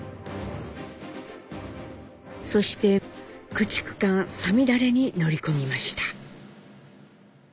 そして駆逐艦「五月雨」に乗り込みました。